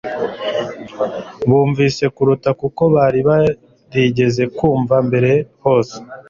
Bumvise kuruta uko bari barigeze bumva mbere hose;